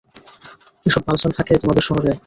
এসব বালছাল থাকে তোমাদের শহরে?